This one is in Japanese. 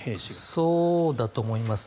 そうだと思います。